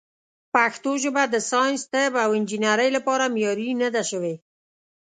پښتو ژبه د ساینس، طب، او انجنیرۍ لپاره معیاري نه ده شوې.